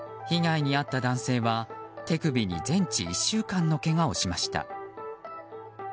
被害に遭った男性は手首に全治１週間のけがをしました。